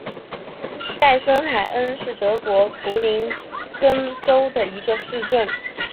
盖森海恩是德国图林根州的一个市镇。